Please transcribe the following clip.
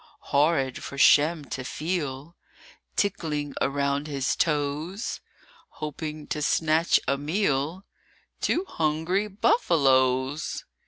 HORRID for Shem to feel Tickling around his toes, Hoping to snatch a meal, Two hungry buffaloes!